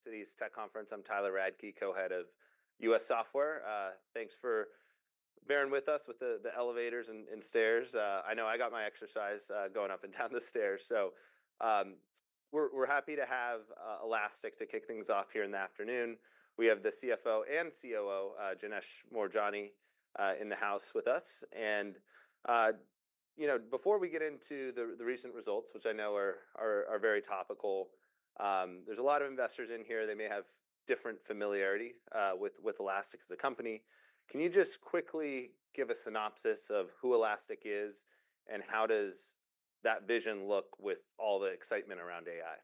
Citi's Tech Conference. I'm Tyler Radke, Co-Head of U.S. Software. Thanks for bearing with us with the elevators and stairs. I know I got my exercise going up and down the stairs, so we're happy to have Elastic to kick things off here in the afternoon. We have the CFO and COO, Janesh Moorjani, in the house with us. You know, before we get into the recent results, which I know are very topical, there's a lot of investors in here, they may have different familiarity with Elastic as a company. Can you just quickly give a synopsis of who Elastic is, and how does that vision look with all the excitement around AI?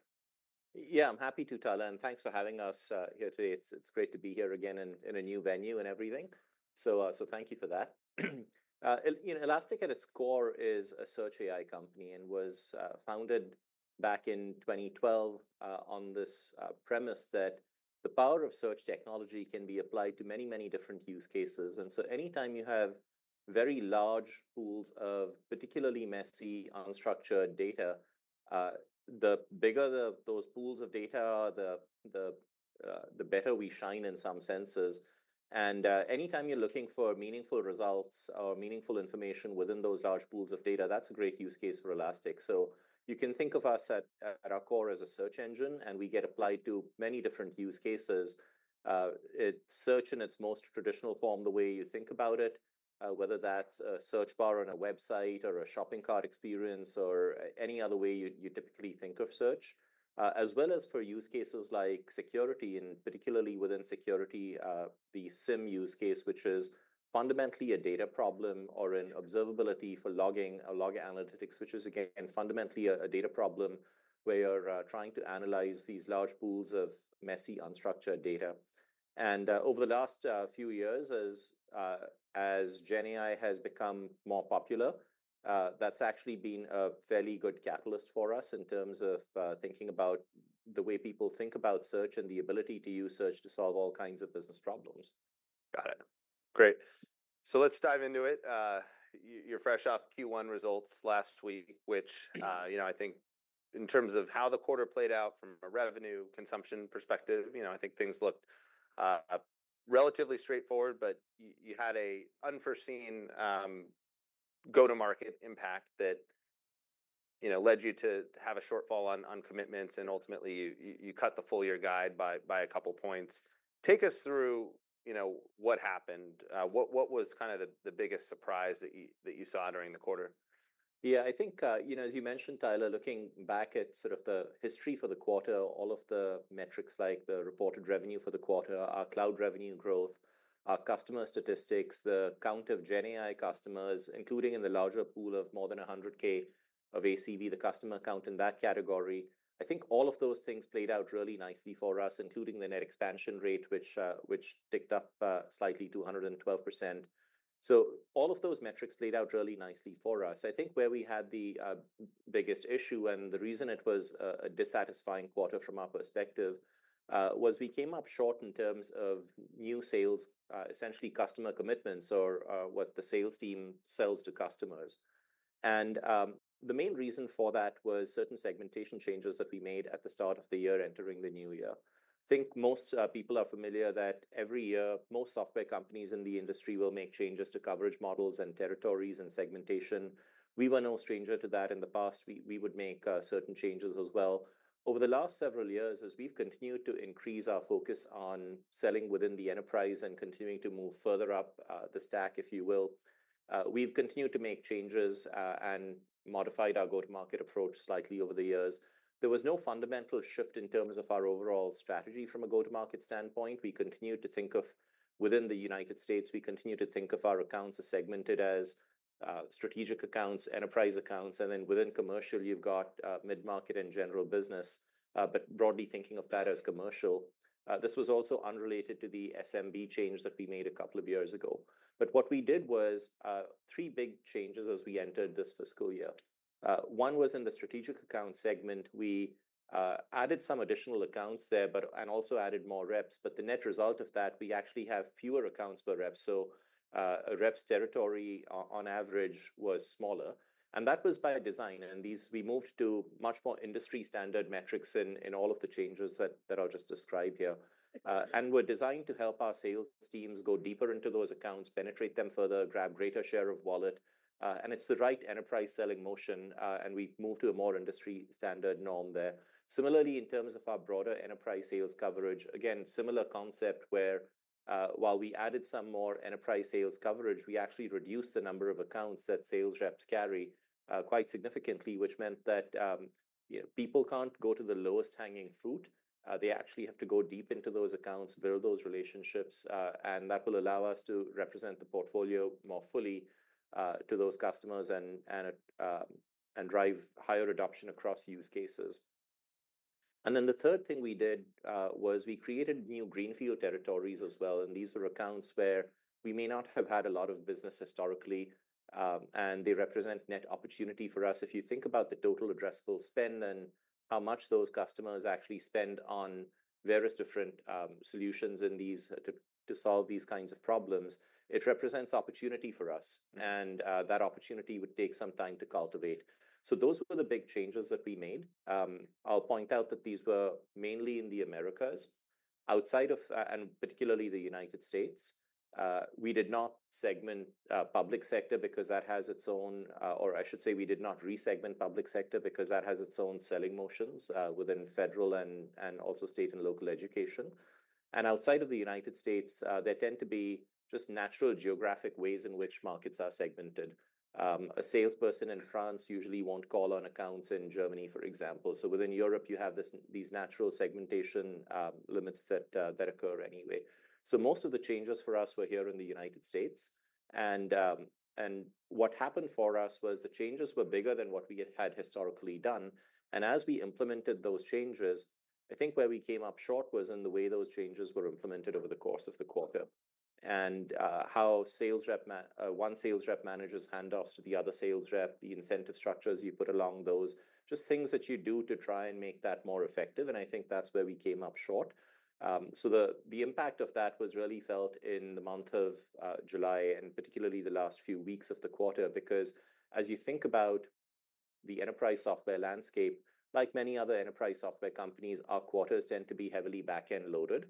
Yeah, I'm happy to, Tyler, and thanks for having us here today. It's great to be here again in a new venue and everything. So, thank you for that. You know, Elastic, at its core, is a search AI company, and was founded back in 2012 on this premise that the power of search technology can be applied to many, many different use cases. And so anytime you have very large pools of particularly messy, unstructured data, the bigger those pools of data are, the better we shine in some senses. And anytime you're looking for meaningful results or meaningful information within those large pools of data, that's a great use case for Elastic. So you can think of us at, at our core as a search engine, and we get applied to many different use cases. Search in its most traditional form, the way you think about it, whether that's a search bar on a website or a shopping cart experience or any other way you, you typically think of search. As well as for use cases like security, and particularly within security, the SIEM Use Case, which is fundamentally a data problem, or in observability for logging, or log analytics, which is, again, fundamentally a, a data problem, where you're trying to analyze these large pools of messy, unstructured data. Over the last few years, as GenAI has become more popular, that's actually been a fairly good catalyst for us in terms of thinking about the way people think about search and the ability to use search-to-solve all kinds of business problems. Got it. Great. So let's dive into it. You're fresh off Q1 results last week, which you know, I think in terms of how the quarter played out from a revenue consumption perspective, you know, I think things looked relatively straightforward, but you had an unforeseen go-to-market impact that, you know, led you to have a shortfall on commitments, and ultimately, you cut the full year guide by a couple points. Take us through, you know, what happened. What was kind of the biggest surprise that you saw during the quarter? Yeah, I think, you know, as you mentioned, Tyler, looking back at sort of the history for the quarter, all of the metrics like the reported revenue for the quarter, our cloud revenue growth, our customer statistics, the count of GenAI customers, including in the larger pool of more than 100K of ACV, the customer count in that category, I think all of those things played out really nicely for us, including the net expansion rate, which ticked up slightly to 112%. So all of those metrics played out really nicely for us. I think where we had the biggest issue, and the reason it was a dissatisfying quarter from our perspective, was we came up short in terms of new sales, essentially customer commitments or what the sales team sells to customers. The main reason for that was certain segmentation changes that we made at the start of the year entering the new year. I think most people are familiar that every year, most software companies in the industry will make changes to coverage models and territories and segmentation. We were no stranger to that. In the past, we would make certain changes as well. Over the last several years, as we've continued to increase our focus on selling within the enterprise and continuing to move further up the stack, if you will, we've continued to make changes and modified our go-to-market approach slightly over the years. There was no fundamental shift in terms of our overall strategy from a go-to-market standpoint. We continued to think of... Within the United States, we continued to think of our accounts as segmented as strategic accounts, enterprise accounts, and then within commercial, you've got mid-market and general business, but broadly thinking of that as commercial. This was also unrelated to the SMB change that we made a couple of years ago, but what we did was three big changes as we entered this fiscal year. One was in the strategic account segment. We added some additional accounts there, but and also added more reps, but the net result of that, we actually have fewer accounts per rep, so a rep's territory on average was smaller, and that was by design, and we moved to much more industry-standard metrics in all of the changes that I'll just describe here. And we're designed to help our sales teams go deeper into those accounts, penetrate them further, grab greater share of wallet, and it's the right enterprise-selling motion, and we moved to a more industry-standard norm there. Similarly, in terms of our broader enterprise sales coverage, again, similar concept, where, while we added some more enterprise sales coverage, we actually reduced the number of accounts that sales reps carry, quite significantly, which meant that, you know, people can't go to the lowest-hanging fruit. They actually have to go deep into those accounts, build those relationships, and that will allow us to represent the portfolio more fully, to those customers and drive higher adoption across use cases. And then the third thing we did was we created new greenfield territories as well, and these were accounts where we may not have had a lot of business historically, and they represent net opportunity for us. If you think about the total addressable spend and how much those customers actually spend on various different solutions in these to solve these kinds of problems, it represents opportunity for us, and that opportunity would take some time to cultivate. So those were the big changes that we made. I'll point out that these were mainly in the Americas. Outside of, and particularly the United States, we did not segment public sector because that has its own, or I should say we did not re-segment public sector because that has its own selling motions within federal and, and also state and local education. And outside of the United States, there tend to be just natural geographic ways in which markets are segmented. A salesperson in France usually won't call on accounts in Germany, for example. So within Europe, you have these natural segmentation limits that occur anyway. Most of the changes for us were here in the United States, and what happened for us was the changes were bigger than what we had had historically done, and as we implemented those changes, I think where we came up short was in the way those changes were implemented over the course of the quarter, and how one sales rep manages handoffs to the other sales rep, the incentive structures you put along those, just things that you do to try and make that more effective, and I think that's where we came up short. So the impact of that was really felt in the month of July and particularly the last few weeks of the quarter, because as you think about the enterprise software landscape, like many other enterprise software companies, our quarters tend to be heavily back-end loaded,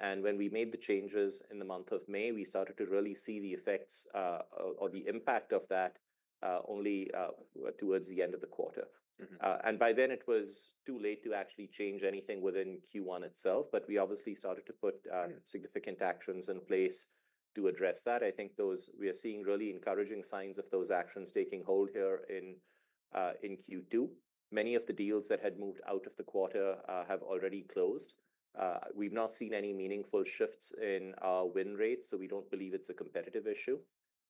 and when we made the changes in the month of May, we started to really see the effects, or the impact of that, only towards the end of the quarter. And by then, it was too late to actually change anything within Q1 itself, but we obviously started to put significant actions in place to address that. I think those. We are seeing really encouraging signs of those actions taking hold here in Q2. Many of the deals that had moved out of the quarter have already closed. We've not seen any meaningful shifts in our win rate, so we don't believe it's a competitive issue.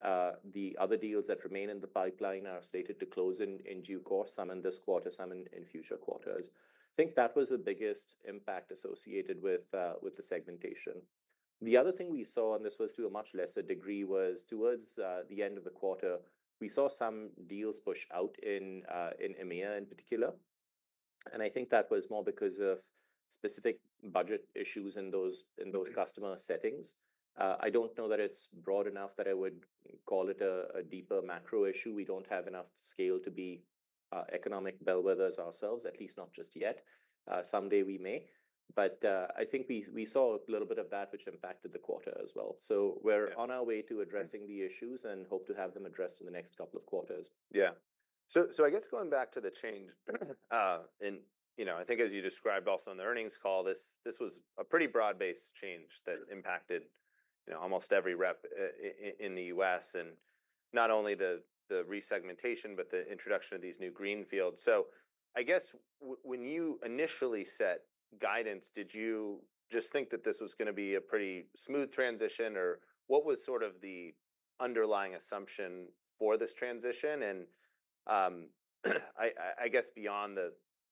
The other deals that remain in the pipeline are slated to close in due course, some in this quarter, some in future quarters. I think that was the biggest impact associated with the segmentation. The other thing we saw, and this was to a much lesser degree, was towards the end of the quarter, we saw some deals push out in EMEA in particular, and I think that was more because of specific budget issues in those customer settings. I don't know that it's broad enough that I would call it a deeper macro issue. We don't have enough scale to be economic bellwethers ourselves, at least not just yet. Someday we may, but I think we saw a little bit of that, which impacted the quarter as well. So we're on our way to addressing the issues and hope to have them addressed in the next couple of quarters. Yeah. So, I guess going back to the change, and, you know, I think as you described also on the earnings call, this was a pretty broad-based change that impacted, you know, almost every rep in the U.S. and not only the resegmentation, but the introduction of these new greenfields. So I guess when you initially set guidance, did you just think that this was gonna be a pretty smooth transition, or what was sort of the underlying assumption for this transition? And I guess beyond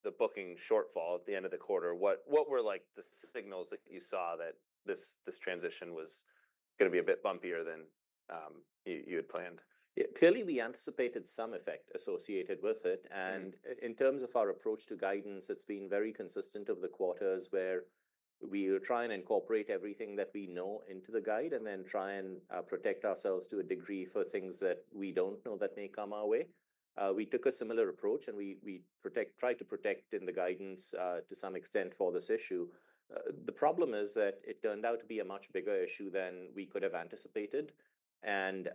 the booking shortfall at the end of the quarter, what were like the signals that you saw that this transition was gonna be a bit bumpier than you had planned? Yeah, clearly, we anticipated some effect associated with it. And in terms of our approach to guidance, it's been very consistent over the quarters, where we try and incorporate everything that we know into the guide and then try and protect ourselves to a degree for things that we don't know that may come our way. We took a similar approach, and we tried to protect in the guidance to some extent for this issue. The problem is that it turned out to be a much bigger issue than we could have anticipated, and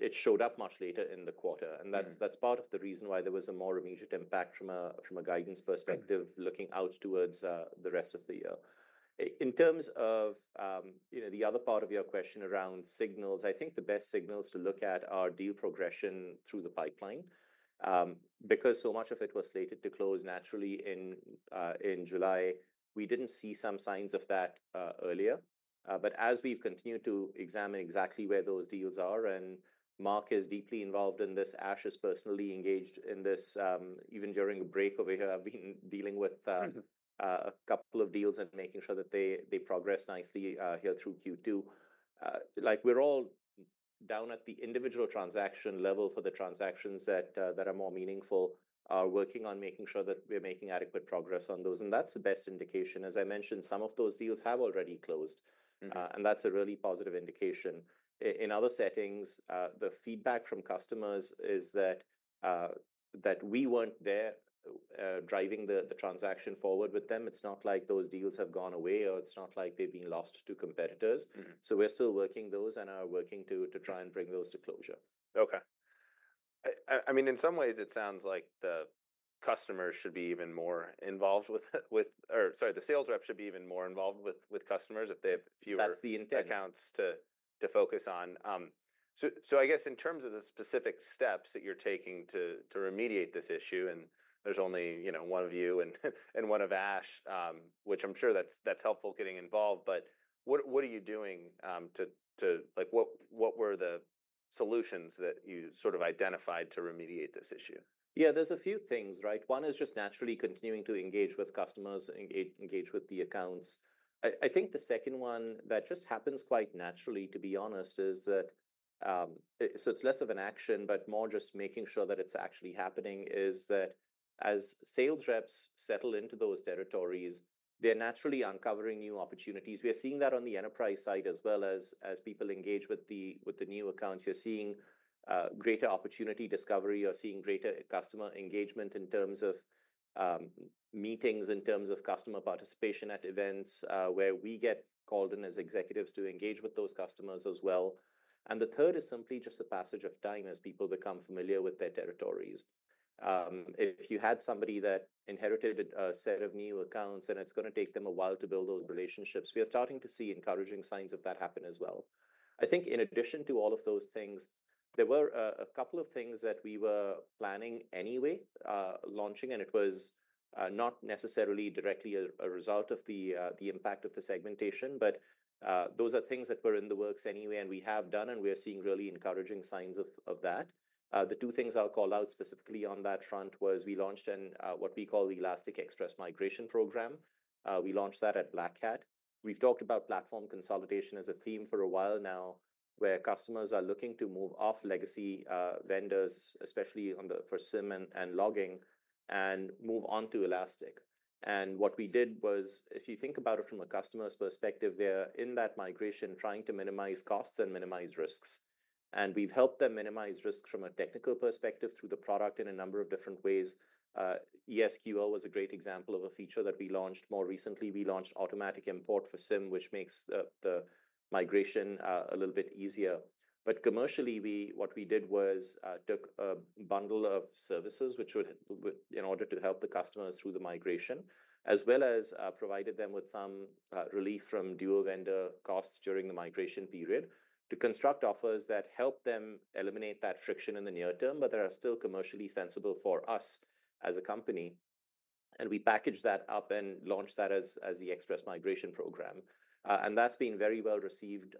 it showed up much later in the quarter. That's part of the reason why there was a more immediate impact from a guidance perspective looking out towards, the rest of the year. In terms of, you know, the other part of your question around signals, I think the best signals to look at are deal progression through the pipeline. Because so much of it was slated to close naturally in July, we didn't see some signs of that, earlier. But as we've continued to examine exactly where those deals are, and Mark is deeply involved in this, Ash is personally engaged in this, even during a break over here, I've been dealing with a couple of deals and making sure that they progress nicely, here through Q2. Like we're all down at the individual transaction level for the transactions that are more meaningful, are working on making sure that we're making adequate progress on those, and that's the best indication. As I mentioned, some of those deals have already closedand that's a really positive indication. In other settings, the feedback from customers is that we weren't there driving the transaction forward with them. It's not like those deals have gone away, or it's not like they've been lost to competitors. So we're still working those and are working to try and bring those to closure. Okay. I mean, in some ways, it sounds like the customers should be even more involved with it. Or, sorry, the sales reps should be even more involved with customers if they have fewer- That's the intent.... accounts to focus on. So I guess in terms of the specific steps that you're taking to remediate this issue, and there's only, you know, one of you and one of Ash, which I'm sure that's helpful getting involved, but what are you doing to like, what were the solutions that you sort of identified to remediate this issue? Yeah, there's a few things, right? One is just naturally continuing to engage with customers, engage, engage with the accounts. I, I think the second one, that just happens quite naturally, to be honest, is that, it's less of an action, but more just making sure that it's actually happening, is that as sales reps settle into those territories, they're naturally uncovering new opportunities. We are seeing that on the enterprise side as well as, as people engage with the, with the new accounts. You're seeing greater opportunity discovery. You're seeing greater customer engagement in terms of meetings in terms of customer participation at events, where we get called in as executives to engage with those customers as well. And the third is simply just the passage of time as people become familiar with their territories. If you had somebody that inherited a set of new accounts, then it's gonna take them a while to build those relationships. We are starting to see encouraging signs of that happen as well. I think in addition to all of those things, there were a couple of things that we were planning anyway, launching, and it was not necessarily directly a result of the impact of the segmentation, but those are things that were in the works anyway, and we have done, and we are seeing really encouraging signs of that. The two things I'll call out specifically on that front was we launched an what we call the Elastic Express Migration Program. We launched that at Black Hat. We've talked about platform consolidation as a theme for a while now, where customers are looking to move off legacy vendors, especially for SIEM and logging, and move on to Elastic. And what we did was, if you think about it from a customer's perspective, they're in that migration trying to minimize costs and minimize risks, and we've helped them minimize risks from a technical perspective through the product in a number of different ways. ES|QL was a great example of a feature that we launched more recently. We launched automatic import for SIEM, which makes the migration a little bit easier. But commercially, what we did was took a bundle of services which would in order to help the customers through the migration, as well as provided them with some relief from dual vendor costs during the migration period, to construct offers that help them eliminate that friction in the near term, but that are still commercially sensible for us as a company. And we packaged that up and launched that as the Express Migration Program. And that's been very well received,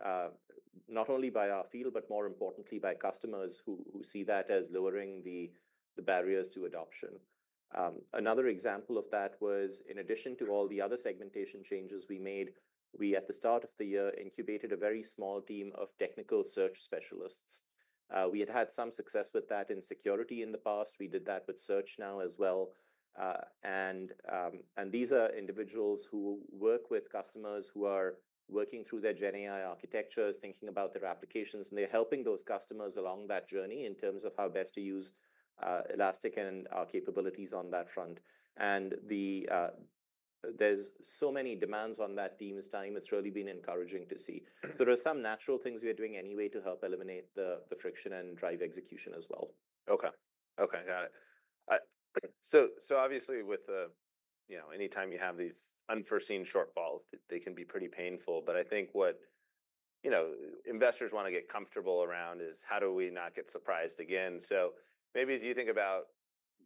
not only by our field, but more importantly by customers who see that as lowering the barriers to adoption. Another example of that was, in addition to all the other segmentation changes we made, at the start of the year, incubated a very small team of technical search specialists. We had had some success with that in security in the past. We did that with Search now as well. These are individuals who work with customers who are working through their GenAI architectures, thinking about their applications, and they're helping those customers along that journey in terms of how best to use Elastic and our capabilities on that front, and there's so many demands on that team's time, it's really been encouraging to see, so there are some natural things we are doing anyway to help eliminate the friction and drive execution as well. Okay. Okay, got it. So, so obviously, with the, you know, anytime you have these unforeseen shortfalls, they can be pretty painful. But I think what, you know, investors want to get comfortable around is, how do we not get surprised again? So maybe as you think about,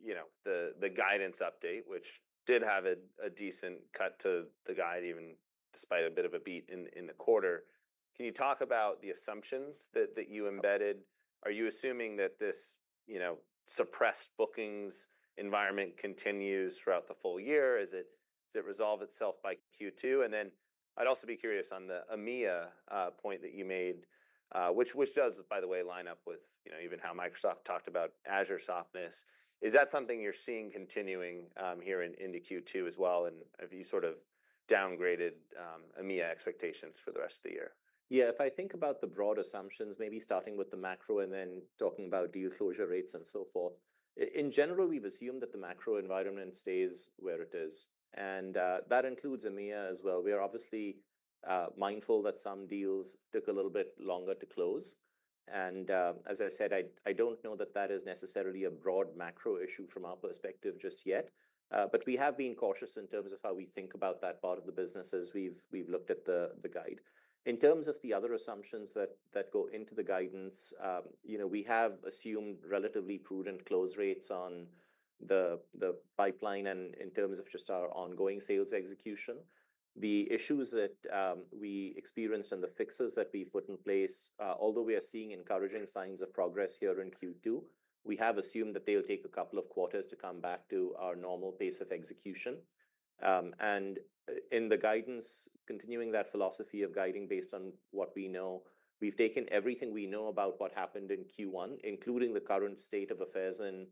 you know, the, the guidance update, which did have a, a decent cut to the guide, even despite a bit of a beat in, in the quarter, can you talk about the assumptions that, that you embedded? Are you assuming that this, you know, suppressed bookings environment continues throughout the full year? Is it- does it resolve itself by Q2? And then I'd also be curious on the EMEA point that you made, which, which does, by the way, line up with, you know, even how Microsoft talked about Azure softness. Is that something you're seeing continuing here into Q2 as well, and have you sort of downgraded EMEA expectations for the rest of the year? Yeah, if I think about the broad assumptions, maybe starting with the macro and then talking about deal closure rates and so forth, in general, we've assumed that the macro environment stays where it is, and that includes EMEA as well. We are obviously mindful that some deals took a little bit longer to close, and as I said, I don't know that is necessarily a broad macro issue from our perspective just yet. But we have been cautious in terms of how we think about that part of the business as we've looked at the guide. In terms of the other assumptions that go into the guidance, you know, we have assumed relatively prudent close rates on the pipeline and in terms of just our ongoing sales execution. The issues that we experienced and the fixes that we've put in place, although we are seeing encouraging signs of progress here in Q2, we have assumed that they'll take a couple of quarters to come back to our normal pace of execution. In the guidance, continuing that philosophy of guiding based on what we know, we've taken everything we know about what happened in Q1, including the current state of affairs in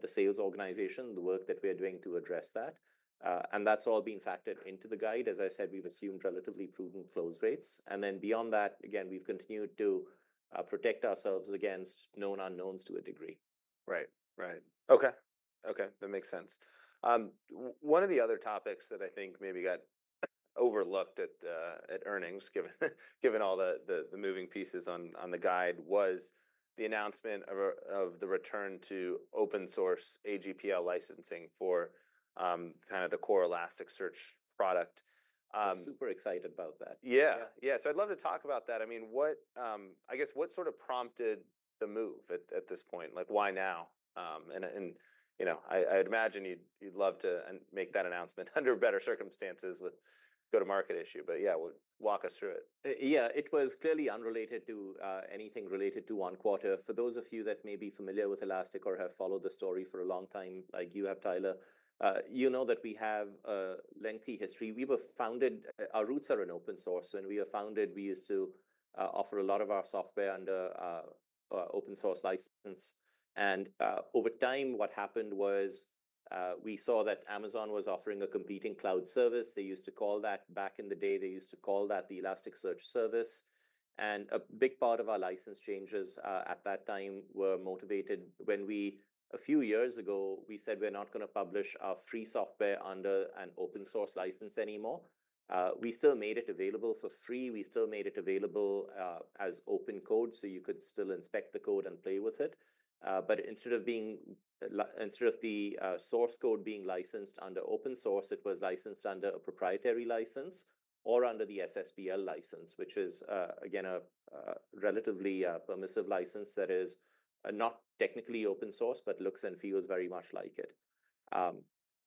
the sales organization, the work that we are doing to address that, and that's all been factored into the guide. As I said, we've assumed relatively prudent close rates, and then beyond that, again, we've continued to protect ourselves against known unknowns to a degree. Right. Right. Okay. Okay, that makes sense. One of the other topics that I think maybe got overlooked at the earnings, given all the moving pieces on the guide, was the announcement of the return to open source AGPL licensing for kind of the core Elasticsearch product. I'm super excited about that. Yeah. Yeah. Yeah, so I'd love to talk about that. I mean, I guess what sort of prompted the move at this point? Like, why now? And you know, I'd imagine you'd love to make that announcement under better circumstances with go-to-market issue. But yeah, well, walk us through it. Yeah, it was clearly unrelated to anything related to one quarter. For those of you that may be familiar with Elastic or have followed the story for a long time, like you have, Tyler, you know that we have a lengthy history. We were founded. Our roots are in open source when we were founded. We used to offer a lot of our software under an open-source license. Over time, what happened was we saw that Amazon was offering a competing cloud service. They used to call that, back in the day. They used to call that the Elasticsearch Service. A big part of our license changes at that time were motivated when we, a few years ago, we said we're not gonna publish our free software under an open-source license anymore. We still made it available for free, as open code, so you could still inspect the code and play with it. But instead of the source code being licensed under open source, it was licensed under a proprietary license or under the SSPL license, which is again a relatively permissive license that is not technically open source, but looks and feels very much like it,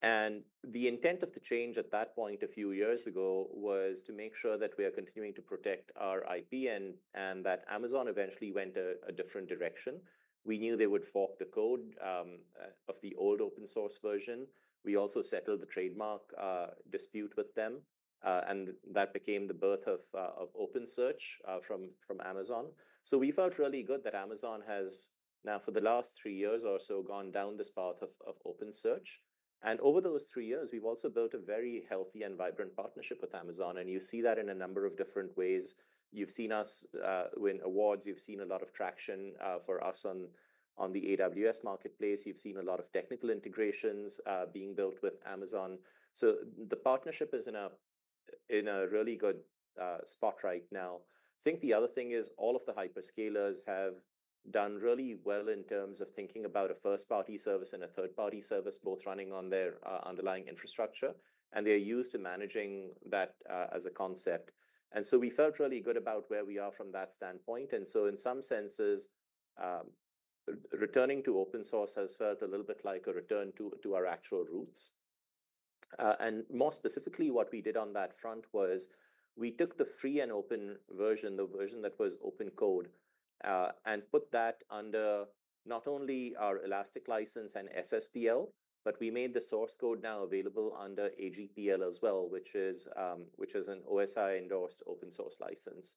and the intent of the change at that point, a few years ago, was to make sure that we are continuing to protect our IP and that Amazon eventually went a different direction. We knew they would fork the code of the old open source version. We also settled the trademark dispute with them, and that became the birth of OpenSearch from Amazon. So we felt really good that Amazon has now, for the last three years or so, gone down this path of OpenSearch. And over those three years, we've also built a very healthy and vibrant partnership with Amazon, and you see that in a number of different ways. You've seen us win awards. You've seen a lot of traction for us on the AWS Marketplace. You've seen a lot of technical integrations being built with Amazon. So the partnership is in a really good spot right now. I think the other thing is all of the hyperscalers have done really well in terms of thinking about a first-party service and a third-party service, both running on their underlying infrastructure, and they're used to managing that as a concept. And so we felt really good about where we are from that standpoint, and so in some senses, returning to open source has felt a little bit like a return to our actual roots. And more specifically, what we did on that front was we took the free and open version, the version that was open code, and put that under not only our Elastic license and SSPL, but we made the source code now available under AGPL as well, which is an OSI-endorsed open-source license.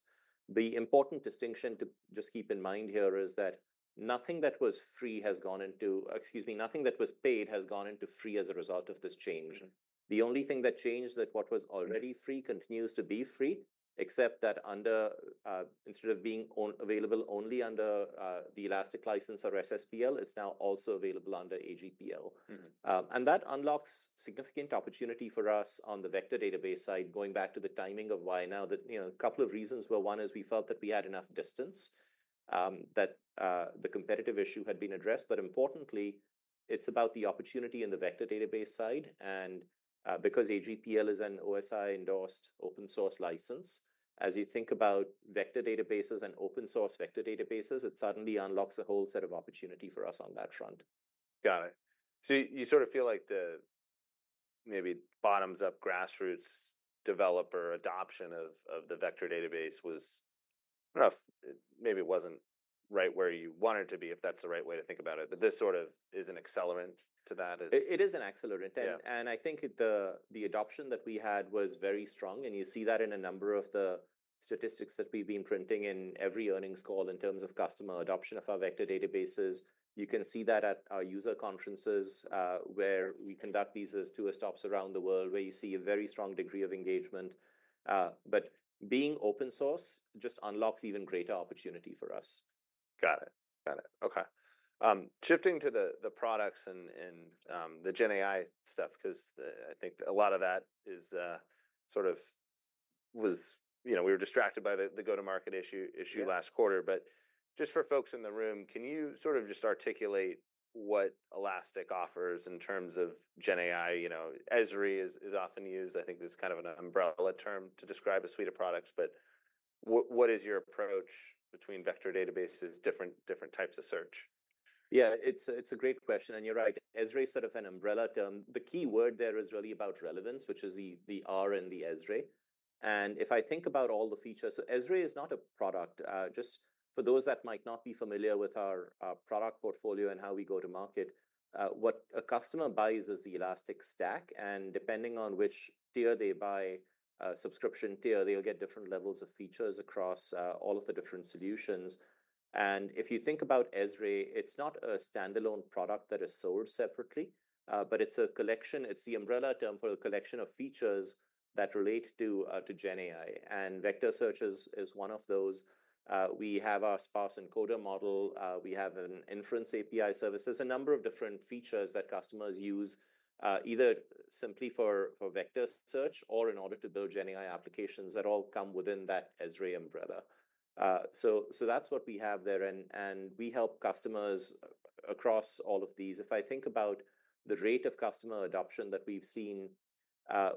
The important distinction to just keep in mind here is that nothing that was free has gone into... Excuse me, nothing that was paid has gone into free as a result of this change. The only thing that changed is that what was already free continues to be free, except that, instead of being available only under the Elastic License or SSPL, it's now also available under AGPL. And that unlocks significant opportunity for us on the vector database side, going back to the timing of why now that, you know, a couple of reasons were, one is we felt that we had enough distance, that the competitive issue had been addressed, but importantly, it's about the opportunity in the vector database side. And because AGPL is an OSI-endorsed open-source license, as you think about vector databases and open-source vector databases, it suddenly unlocks a whole set of opportunity for us on that front. Got it. So you sort of feel like the maybe bottoms-up, grassroots developer adoption of, of the vector database was, I don't know if, maybe it wasn't right where you want it to be, if that's the right way to think about it, but this sort of is an accelerant to that. It is an accelerant. And I think the adoption that we had was very strong, and you see that in a number of the statistics that we've been printing in every earnings call in terms of customer adoption of our vector databases. You can see that at our user conferences, where we conduct these as tour stops around the world, where you see a very strong degree of engagement. But being open source just unlocks even greater opportunity for us. Got it. Got it. Okay. Shifting to the products and the GenAI stuff, 'cause I think a lot of that is sort of was, you know, we were distracted by the go-to-market issue, issue last quarter. But just for folks in the room, can you sort of just articulate what Elastic offers in terms of GenAI? You know, ESRE is often used, I think, as kind of an umbrella term to describe a suite of products, but what is your approach between vector databases, different types of search? Yeah, it's a great question, and you're right, ESRE is sort of an umbrella term. The key word there is really about relevance, which is the R in the ESRE. And if I think about all the features, so ESRE is not a product. Just for those that might not be familiar with our product portfolio and how we go to market, what a customer buys is the Elastic Stack, and depending on which tier they buy, a subscription tier, they'll get different levels of features across all of the different solutions. And if you think about ESRE, it's not a standalone product that is sold separately, but it's a collection. It's the umbrella term for a collection of features that relate to GenAI, and vector search is one of those. We have our sparse encoder model, we have an inference API service. There's a number of different features that customers use, either simply for vector search or in order to build GenAI applications that all come within that ESRE umbrella. So that's what we have there, and we help customers across all of these. If I think about the rate of customer adoption that we've seen,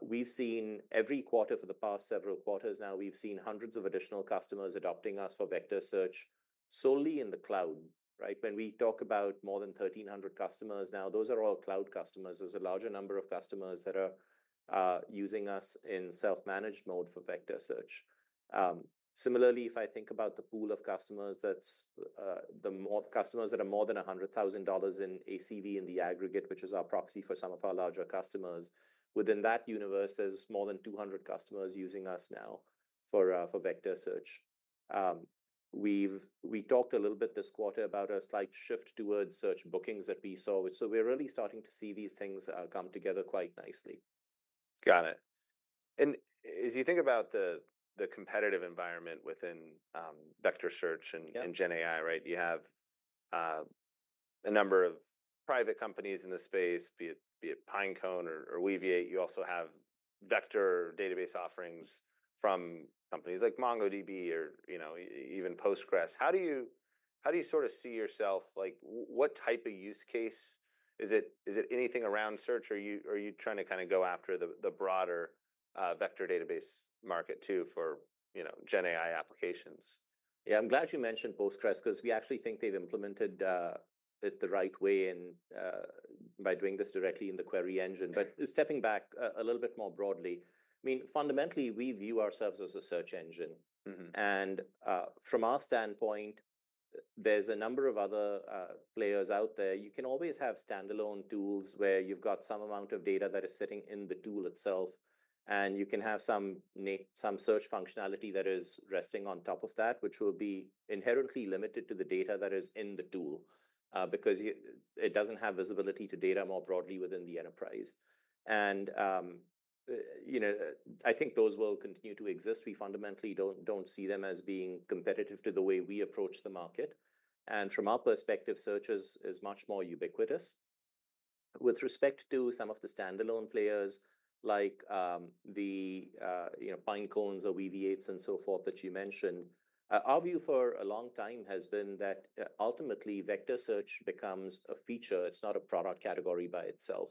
we've seen every quarter for the past several quarters now, we've seen hundreds of additional customers adopting us for vector search solely in the cloud, right? When we talk about more than thirteen hundred customers now, those are all cloud customers. There's a larger number of customers that are using us in self-managed mode for vector search. Similarly, if I think about the pool of customers, that's the customers that are more than $100,000 in ACV in the aggregate, which is our proxy for some of our larger customers. Within that universe, there's more than 200 customers using us now for vector search. We've talked a little bit this quarter about a slight shift towards search bookings that we saw, so we're really starting to see these things come together quite nicely. Got it. And as you think about the competitive environment within vector search and GenAI, right, you have a number of private companies in this space, be it Pinecone or Weaviate. You also have vector database offerings from companies like MongoDB or, you know, even Postgres. How do you sort of see yourself? Like, what type of use case? Is it anything around search, or are you trying to kinda go after the broader vector database market, too, for, you know, GenAI applications? Yeah, I'm glad you mentioned Postgres, 'cause we actually think they've implemented it the right way and by doing this directly in the query engine. Yeah. But stepping back a little bit more broadly, I mean, fundamentally, we view ourselves as a search engine. From our standpoint, there's a number of other players out there. You can always have standalone tools, where you've got some amount of data that is sitting in the tool itself, and you can have some search functionality that is resting on top of that, which will be inherently limited to the data that is in the tool, because it doesn't have visibility to data more broadly within the enterprise. You know, I think those will continue to exist. We fundamentally don't see them as being competitive to the way we approach the market, and from our perspective, search is much more ubiquitous. With respect to some of the standalone players like you know Pinecone or Weaviate and so forth that you mentioned, our view for a long time has been that ultimately vector search becomes a feature. It's not a product category by itself,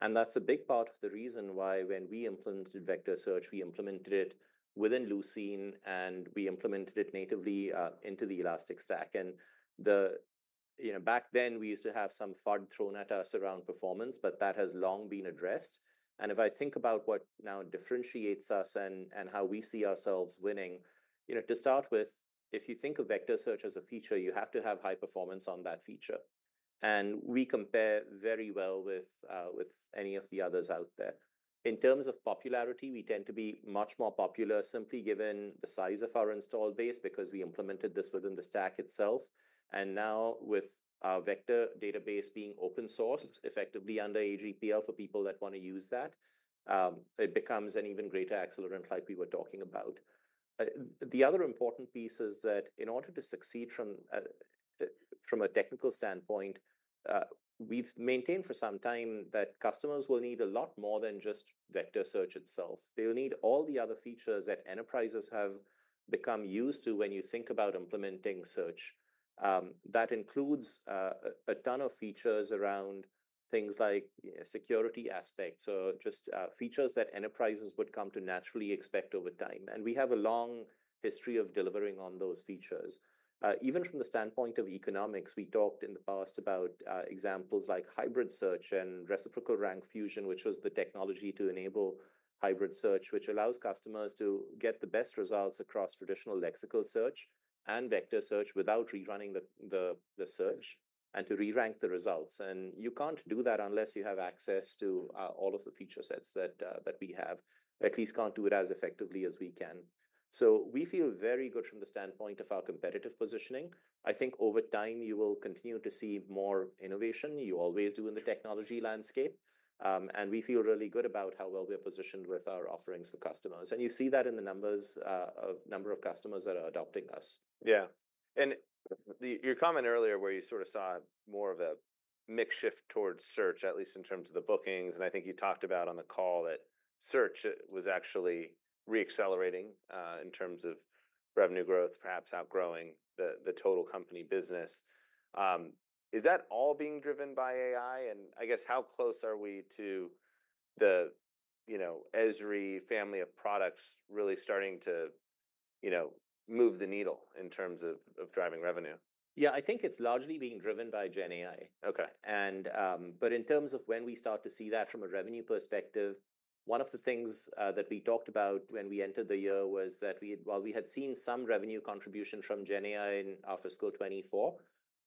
and that's a big part of the reason why when we implemented vector search, we implemented it within Lucene, and we implemented it natively into the Elastic Stack. And the... You know, back then, we used to have some FUD thrown at us around performance, but that has long been addressed, and if I think about what now differentiates us and how we see ourselves winning, you know, to start with, if you think of vector search as a feature, you have to have high performance on that feature, and we compare very well with any of the others out there. In terms of popularity, we tend to be much more popular, simply given the size of our installed base, because we implemented this within the stack itself. And now, with our vector database being open sourced, effectively under AGPL, for people that wanna use that, it becomes an even greater accelerant, like we were talking about. The other important piece is that in order to succeed from a technical standpoint, we've maintained for some time that customers will need a lot more than just vector search itself. They'll need all the other features that enterprises have become used to when you think about implementing search. That includes a ton of features around things like security aspects or just features that enterprises would come to naturally expect over time, and we have a long history of delivering on those features. Even from the standpoint of economics, we talked in the past about examples like hybrid search and reciprocal rank fusion, which was the technology to enable hybrid search, which allows customers to get the best results across traditional lexical search and vector search without rerunning the search and to re-rank the results. And you can't do that unless you have access to all of the feature sets that we have. At least can't do it as effectively as we can. So we feel very good from the standpoint of our competitive positioning. I think over time, you will continue to see more innovation. You always do in the technology landscape, and we feel really good about how well we are positioned with our offerings for customers, and you see that in the numbers of customers that are adopting us. Yeah, and your comment earlier, where you sorta saw more of a mix shift towards search, at least in terms of the bookings, and I think you talked about on the call that search was actually re-accelerating in terms of revenue growth, perhaps outgrowing the total company business. Is that all being driven by AI? And I guess, how close are we to the, you know, ESRE family of products really starting to, you know, move the needle in terms of driving revenue? Yeah, I think it's largely being driven by GenAI. Okay. But in terms of when we start to see that from a revenue perspective, one of the things that we talked about when we entered the year was that we had while we had seen some revenue contribution from GenAI in our FY 2024,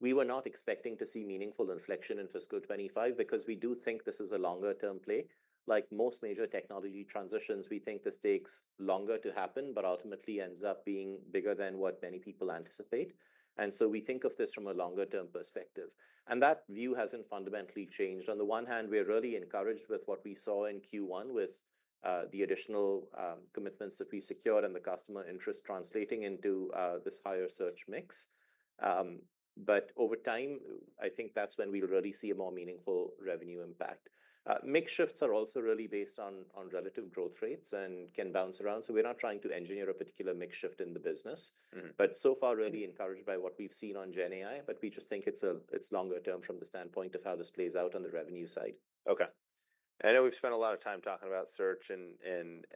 we were not expecting to see meaningful inflection in FY 2025 because we do think this is a longer-term play. Like most major technology transitions, we think this takes longer to happen, but ultimately ends up being bigger than what many people anticipate, and so we think of this from a longer-term perspective, and that view hasn't fundamentally changed. On the one hand, we're really encouraged with what we saw in Q1 with the additional commitments that we secured and the customer interest translating into this higher search mix. but over time, I think that's when we really see a more meaningful revenue impact. Mix shifts are also really based on relative growth rates and can bounce around, so we're not trying to engineer a particular mix shift in the business. So far, really encouraged by what we've seen on GenAI, but we just think it's longer term from the standpoint of how this plays out on the revenue side. Okay. I know we've spent a lot of time talking about search and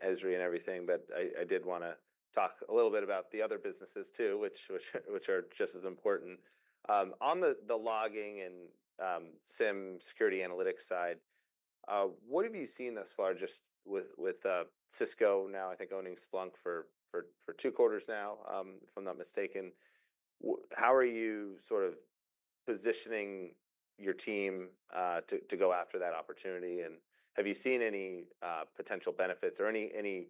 ESRE and everything, but I did wanna talk a little bit about the other businesses, too, which are just as important. On the logging and SIEM security analytics side, what have you seen thus far, just with Cisco now, I think, owning Splunk for two quarters now, if I'm not mistaken? How are you sort of positioning your team to go after that opportunity, and have you seen any potential benefits or any,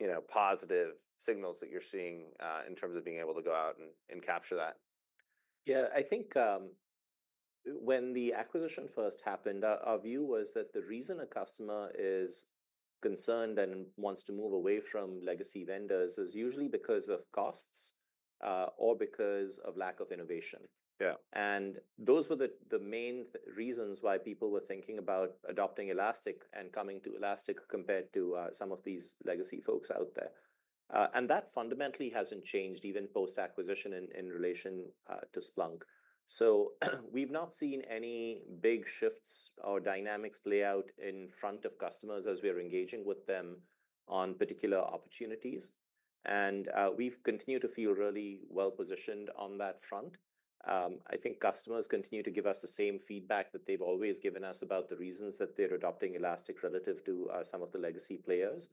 you know, positive signals that you're seeing in terms of being able to go out and capture that? Yeah, I think, when the acquisition first happened, our view was that the reason a customer is concerned and wants to move away from legacy vendors is usually because of costs, or because of lack of innovation. Yeah. And those were the main reasons why people were thinking about adopting Elastic and coming to Elastic compared to some of these legacy folks out there. And that fundamentally hasn't changed, even post-acquisition in relation to Splunk. So we've not seen any big shifts or dynamics play out in front of customers as we are engaging with them on particular opportunities, and we've continued to feel really well positioned on that front. I think customers continue to give us the same feedback that they've always given us about the reasons that they're adopting Elastic relative to some of the legacy players.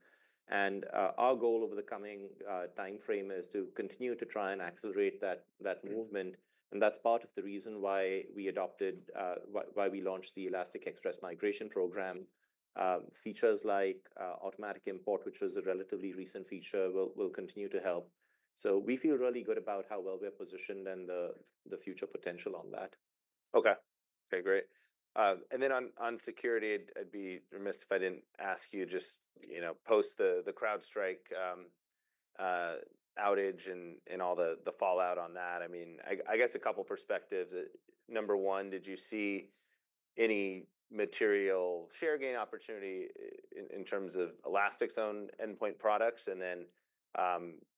And our goal over the coming time frame is to continue to try and accelerate that movement. And that's part of the reason why we launched the Elastic Express Migration program. Features like automatic import, which was a relatively recent feature, will continue to help. So we feel really good about how well we're positioned and the future potential on that. Okay. Okay, great. And then on security, I'd be remiss if I didn't ask you just, you know, post the CrowdStrike outage and all the fallout on that. I mean, I guess a couple perspectives. Number one, did you see any material share gain opportunity in terms of Elastic's own endpoint products? And then,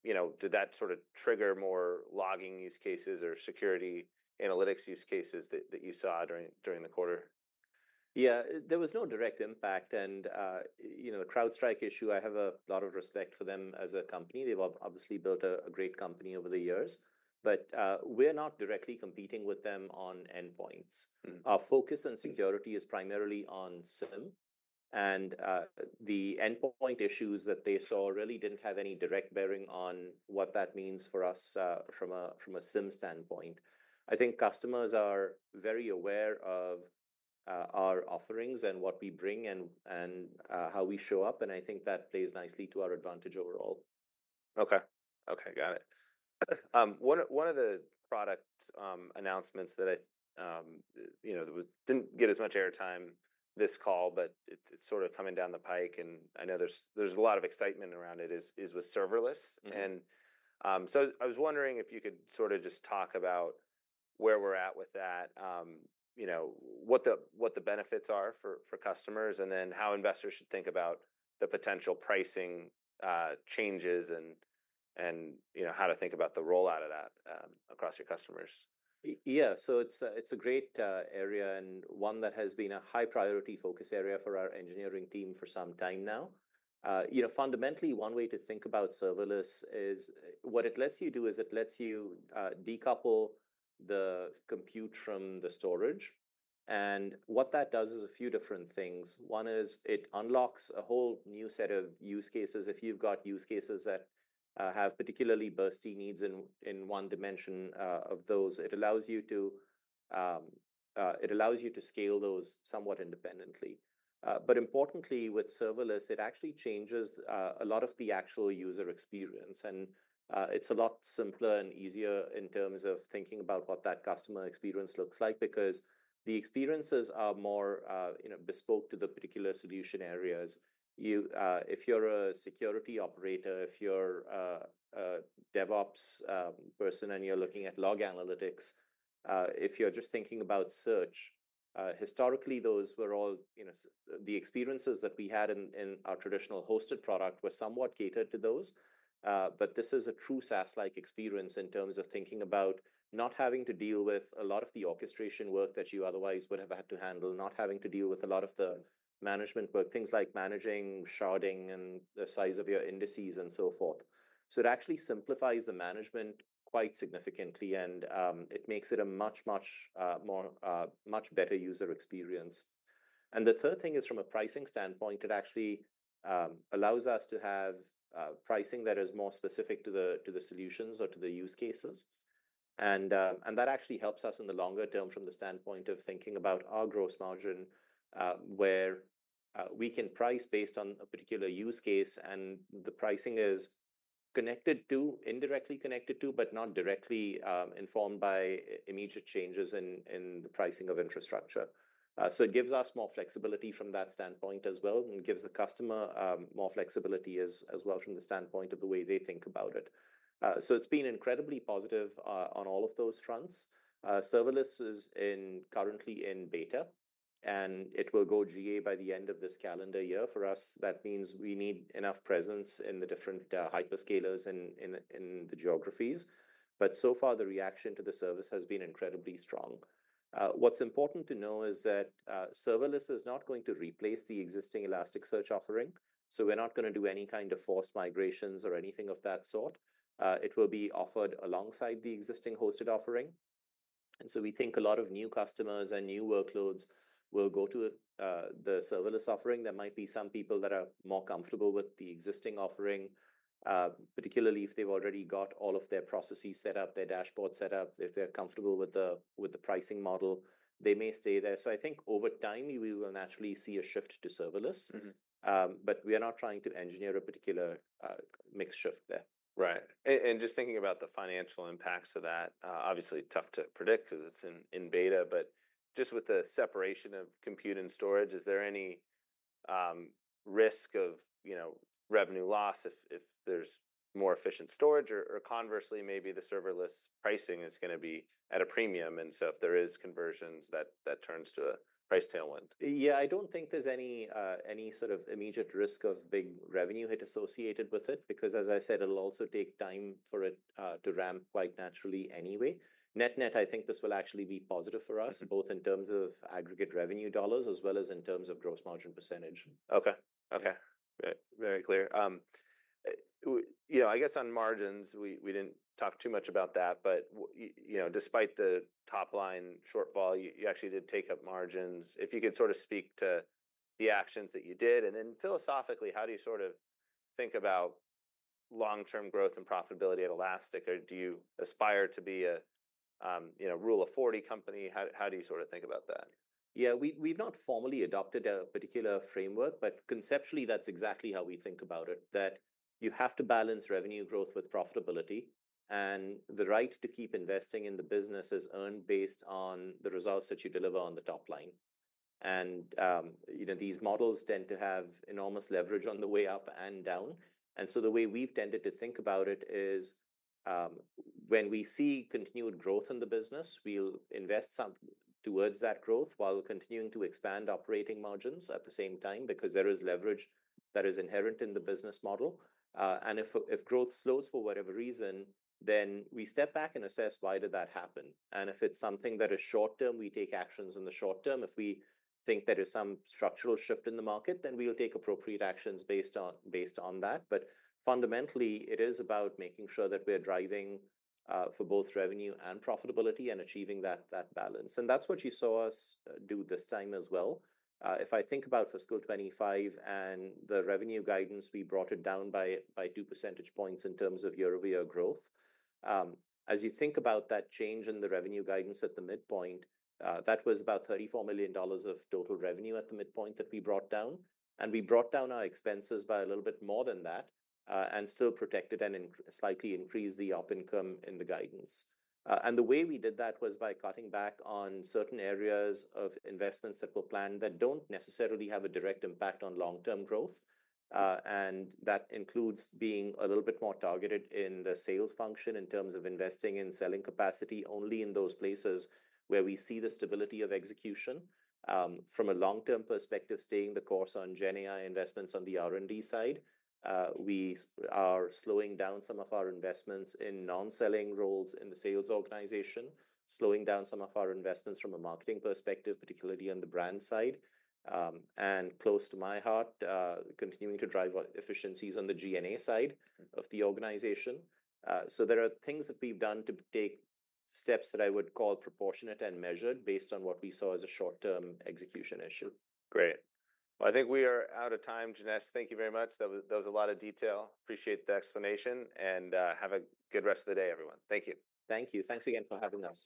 you know, did that sort of trigger more logging use cases or security analytics use cases that you saw during the quarter? Yeah, there was no direct impact, and, you know, the CrowdStrike issue, I have a lot of respect for them as a company. They've obviously built a great company over the years, but, we're not directly competing with them on endpoints. Our focus on security is primarily on SIEM, and the endpoint issues that they saw really didn't have any direct bearing on what that means for us from a SIEM standpoint. I think customers are very aware of our offerings and what we bring and how we show up, and I think that plays nicely to our advantage overall. Okay. Okay, got it. One of the product announcements that I, you know, didn't get as much airtime this call, but it's sort of coming down the pike, and I know there's a lot of excitement around it, is with serverless. So I was wondering if you could sort of just talk about where we're at with that, you know, what the benefits are for customers, and then how investors should think about the potential pricing changes, and you know, how to think about the rollout of that across your customers. Yeah, so it's a great area, and one that has been a high-priority focus area for our engineering team for some time now. You know, fundamentally, one way to think about serverless is what it lets you do is it lets you decouple the compute from the storage, and what that does is a few different things. One is it unlocks a whole new set of use cases. If you've got use cases that have particularly bursty needs in one dimension of those, it allows you to scale those somewhat independently. But importantly, with serverless, it actually changes a lot of the actual user experience, and it's a lot simpler and easier in terms of thinking about what that customer experience looks like because the experiences are more, you know, bespoke to the particular solution areas. You, if you're a security operator, if you're a DevOps person, and you're looking at log analytics, if you're just thinking about search, historically, those were all, you know, the experiences that we had in our traditional hosted product were somewhat catered to those. But this is a true SaaS-like experience in terms of thinking about not having to deal with a lot of the orchestration work that you otherwise would have had to handle, not having to deal with a lot of the management work, things like managing, sharding, and the size of your indices, and so forth. So it actually simplifies the management quite significantly, and, it makes it a much, much, more, much better user experience. And the third thing is from a pricing standpoint, it actually, allows us to have, pricing that is more specific to the, to the solutions or to the use cases. And that actually helps us in the longer term from the standpoint of thinking about our gross margin, where we can price based on a particular use case, and the pricing is connected to, indirectly connected to, but not directly, informed by immediate changes in the pricing of infrastructure. So it gives us more flexibility from that standpoint as well and gives the customer more flexibility as well from the standpoint of the way they think about it. So it's been incredibly positive on all of those fronts. Serverless is currently in Beta, and it will go GA by the end of this calendar year. For us, that means we need enough presence in the different hyperscalers in the geographies. But so far, the reaction to the service has been incredibly strong. What's important to know is that serverless is not going to replace the existing Elasticsearch offering, so we're not gonna do any kind of forced migrations or anything of that sort. It will be offered alongside the existing hosted offering, and so we think a lot of new customers and new workloads will go to the serverless offering. There might be some people that are more comfortable with the existing offering, particularly if they've already got all of their processes set up, their dashboard set up. If they're comfortable with the pricing model, they may stay there, so I think over time, we will naturally see a shift to serverless. But we are not trying to engineer a particular, mix shift there. Right. And just thinking about the financial impacts of that, obviously tough to predict 'cause it's in Beta, but just with the separation of compute and storage, is there any risk of, you know, revenue loss if there's more efficient storage? Or conversely, maybe the serverless pricing is gonna be at a premium, and so if there is conversions, that turns to a price tailwind. Yeah, I don't think there's any sort of immediate risk of big revenue hit associated with it, because, as I said, it'll also take time for it to ramp quite naturally anyway. Net-net, I think this will actually be positive for us both in terms of aggregate revenue dollars, as well as in terms of gross margin percentage. Okay. Okay. Yeah, very clear. You know, I guess on margins, we didn't talk too much about that, but you know, despite the top line shortfall, you actually did take up margins. If you could sort of speak to the actions that you did, and then philosophically, how do you sort of think about long-term growth and profitability at Elastic? Or do you aspire to be a you know, Rule of 40 company? How do you sort of think about that? Yeah, we, we've not formally adopted a particular framework, but conceptually, that's exactly how we think about it, that you have to balance revenue growth with profitability, and the right to keep investing in the business is earned based on the results that you deliver on the top line. And, you know, these models tend to have enormous leverage on the way up and down, and so the way we've tended to think about it is, when we see continued growth in the business, we'll invest some towards that growth while continuing to expand operating margins at the same time, because there is leverage that is inherent in the business model. And if, if growth slows for whatever reason, then we step back and assess why did that happen. And if it's something that is short term, we take actions in the short term. If we think there is some structural shift in the market, then we will take appropriate actions based on that. But fundamentally, it is about making sure that we're driving for both revenue and profitability and achieving that balance, and that's what you saw us do this time as well. If I think about FY 2025 and the revenue guidance, we brought it down by two percentage points in terms of year-over-year growth. As you think about that change in the revenue guidance at the midpoint, that was about $34 million of total revenue at the midpoint that we brought down, and we brought down our expenses by a little bit more than that, and still protected and slightly increased the operating income in the guidance. And the way we did that was by cutting back on certain areas of investments that were planned that don't necessarily have a direct impact on long-term growth. And that includes being a little bit more targeted in the sales function in terms of investing in selling capacity only in those places where we see the stability of execution. From a long-term perspective, staying the course on GenAI investments on the R&D side, we are slowing down some of our investments in non-selling roles in the sales organization, slowing down some of our investments from a marketing perspective, particularly on the brand side, and close to my heart, continuing to drive efficiencies on the G&A side of the organization. So there are things that we've done to take steps that I would call proportionate and measured based on what we saw as a short-term execution issue. Great. I think we are out of time, Janesh. Thank you very much. That was a lot of detail. Appreciate the explanation, and have a good rest of the day, everyone. Thank you. Thank you. Thanks again for having us.